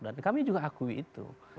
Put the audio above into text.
dan kami juga akui itu